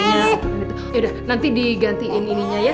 yaudah nanti digantiin ininya ya